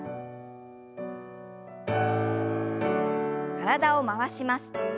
体を回します。